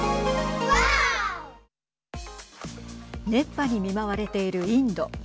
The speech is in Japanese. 熱波に見舞われているインド。